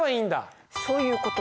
そういうこと。